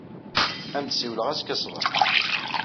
Ad am-d-ssiwleɣ azekka ṣṣbeḥ.